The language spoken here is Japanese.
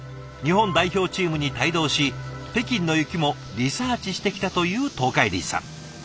日本代表チームに帯同し北京の雪もリサーチしてきたという東海林さん。